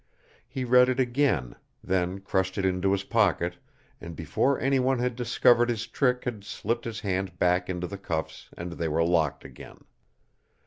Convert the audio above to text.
He read it again, then crushed it into his pocket, and before any one had discovered his trick had slipped his hand back into the cuffs and they were locked again.